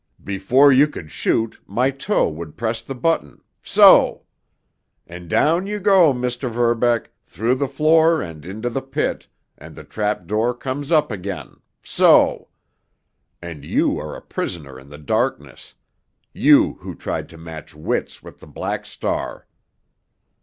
Before you could shoot, my toe would press the button—so! And down you go, Mr. Verbeck, through the floor and into the pit, and the trapdoor comes up again—so!—and you are a prisoner in the darkness—you who tried to match wits with the Black Star!"